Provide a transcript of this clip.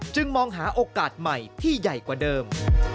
มองหาโอกาสใหม่ที่ใหญ่กว่าเดิม